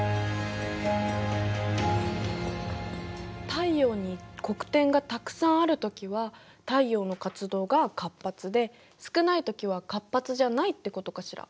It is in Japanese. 太陽に黒点がたくさんあるときは太陽の活動が活発で少ないときは活発じゃないってことかしら。